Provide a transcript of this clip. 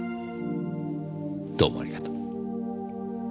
どうもありがとう。